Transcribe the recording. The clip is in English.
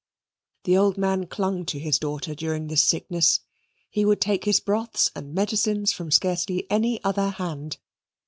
The old man clung to his daughter during this sickness. He would take his broths and medicines from scarcely any other hand.